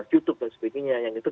youtube dan sebagainya yang itu